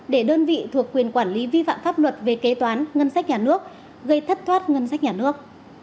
để đơn vị thuộc quyền quản lý vi phạm pháp luật về kế toán ngân sách nhà nước gây thất thoát ngân sách nhà nước